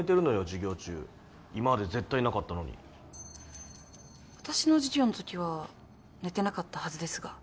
授業中今まで絶対なかったのに私の授業のときは寝てなかったはずですが